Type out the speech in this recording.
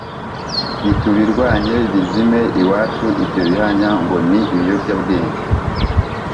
Nitubirwanye bizime iwacu ibyo bihanya ngo ni ibiyobyabwenge.